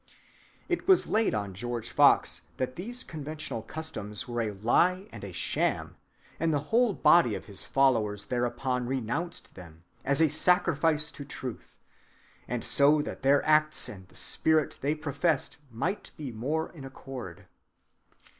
It was laid on George Fox that these conventional customs were a lie and a sham, and the whole body of his followers thereupon renounced them, as a sacrifice to truth, and so that their acts and the spirit they professed might be more in accord.